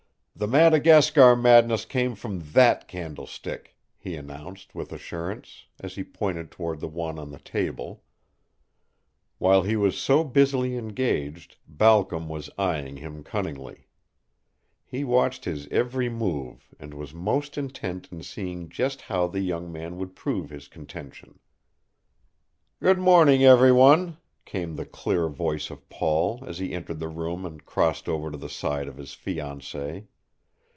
"The Madagascar madness came from that candlestick," he announced, with assurance, as he pointed toward the one on the table. While he was so busily engaged Balcom was eying him cunningly. He watched his every move and was most intent in seeing just how the young man would prove his contention. "Good morning, every one!" came the clear voice of Paul as he entered the room and crossed over to the side of his fiancée.